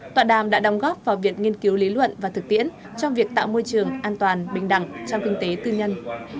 tọa đàm đã đóng góp vào việc nghiên cứu lý luận và thực tiễn trong việc tạo môi trường an toàn bình đẳng trong kinh tế tư nhân